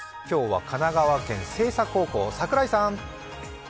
今日は神奈川県・星槎高校櫻井さん。